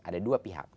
ada dua pihak